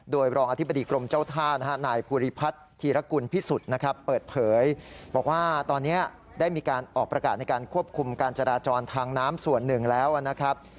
โดยรองอธิบดีกรมเจ้าท่านะฮะนายภูริพัฒน์ธีรกุลพิสุทธิ์นะครับเปิดเผยบอกว่าตอนนี้ได้มีการออกประกาศในการควบคุมการจราจรทางน้ำส่วนหนึ่งแล้วนะครับ